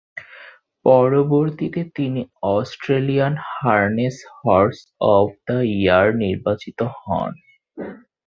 পরবর্তীতে তিনি Australian harness horse of the year নির্বাচিত হন।